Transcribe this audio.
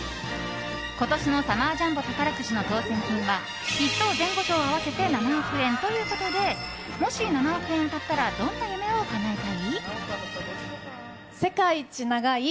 今年のサマージャンボ宝くじの当せん金は１等前後賞合わせて７億円ということでもし７億円当たったらどんな夢をかなえたい？